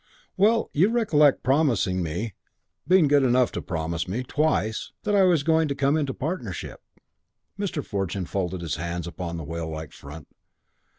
"Well, you recollect promising me being good enough to promise me twice that I was going to come into partnership " Mr. Fortune folded his hands upon the whale like front.